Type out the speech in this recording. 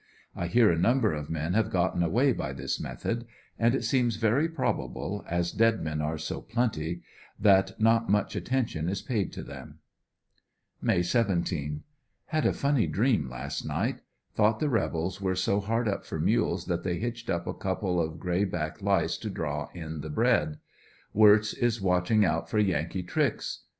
1 hear a number of men have gotten away by this method, and it seems very probable, as dead men are so plenty tliat not much attention is paid to them. May 17. — Had a funny dream last night. Thought the rebels were so hard up for mules that they hitched up a couple of gray back lice to draw in the bread. Wi tz is watching out for Yankee tricks.